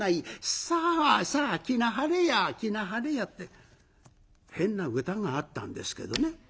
さあさあ着なはれや着なはれや」って変な歌があったんですけどね。